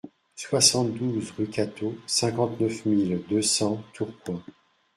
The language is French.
soixante-douze rUE CATTEAU, cinquante-neuf mille deux cents Tourcoing